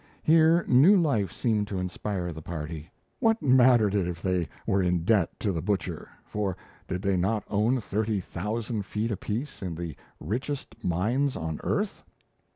Here new life seemed to inspire the party. What mattered it if they were in debt to the butcher for did they not own thirty thousand feet apiece in the "richest mines on earth"!